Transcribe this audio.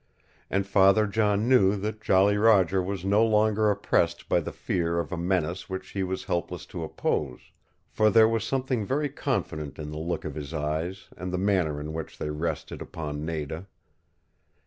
And Father John knew that Jolly Roger was no longer oppressed by the fear of a menace which he was helpless to oppose, for there was something very confident in the look of his eyes and the manner in which they rested upon Nada.